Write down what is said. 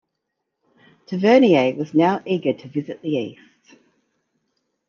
Tavernier was now eager to visit the East.